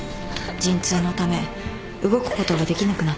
陣痛のため動くことができなくなった。